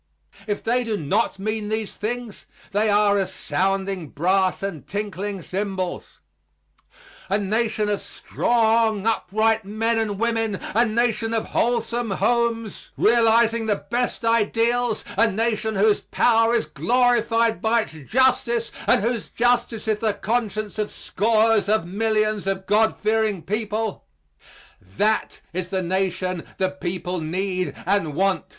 If they do not mean these things they are as sounding brass and tinkling cymbals. A Nation of strong, upright men and women; a Nation of wholesome homes, realizing the best ideals; a Nation whose power is glorified by its justice and whose justice is the conscience of scores of millions of God fearing people that is the Nation the people need and want.